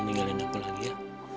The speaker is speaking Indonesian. kamu jangan tinggalin aku lagi ya